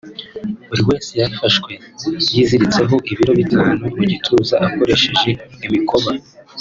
buri wese yafashwe yiziritseho ibiro bitatu mu gituza akoresheje imikoba